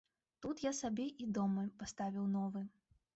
Тут я сабе і дом паставіў новы.